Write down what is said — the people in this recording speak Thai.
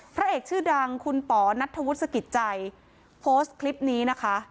พระเอกชื่อดังคุณป๋อนัทธวุฒิสกิจใจโพสต์คลิปนี้นะคะ